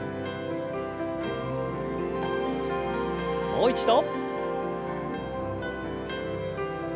もう一度。